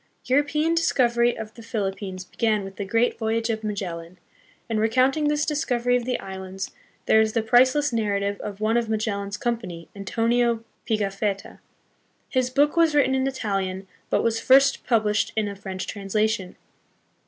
European discovery of the Philippines began with the great voyage of Magellan; and recounting this discovery of the islands, there is the priceless narrative of one of Magellan's company, Antonio Pigafetta. His book was written hi Italian, but was first published hi a French translation.